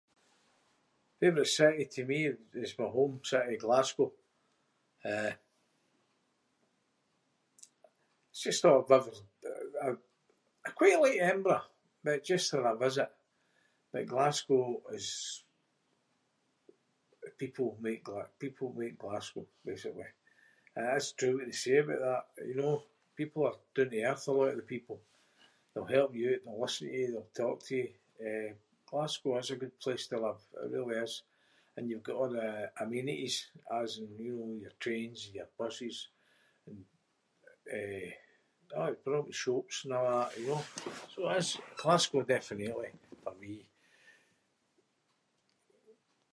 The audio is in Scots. Favourite city to me is my home city, Glasgow. Eh, it’s just a’ I’ve ev- [inc]. I- I quite like Edinburgh but just for a visit. But Glasgow is- people make Gla- people make Glasgow, basically. And it is true what they say aboot that, you know? People are doon to earth, a lot of the people. They’ll help you oot and they’ll listen to you. They’ll talk to you. Eh, Glasgow is a good place to live. It really is. And you’ve got a’ the amenities as in, you know, your trains and your buses and, eh- aye, it’s brilliant. Shops and a’ that, you know? So, it is Glasgow definitely for me.